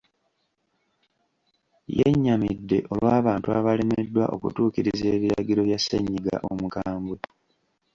Yennyamidde olw'abantu abalemeddwa okutuukiriza ebiragiro bya ssennyiga omukambwe.